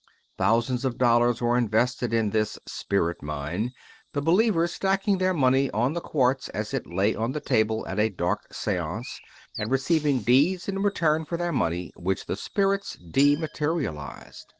Thousands of dollars were invested in this " spirit mine,'* the believers stacking their money on the quartz as it lay on the table at a dark seance, and receiving deeds in return for their money, which the spirits dematerialized.